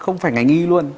không phải ngành nghi luôn